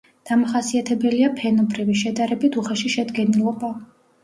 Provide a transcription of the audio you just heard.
დამახასიათებელია ფენობრივი, შედარებით უხეში შედგენილობა.